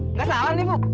nggak salah nih bu